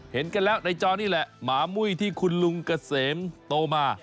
เห็นกันแล้วในจอนี่แหละหมามุ้ยที่คุณลุงเกษมโตมา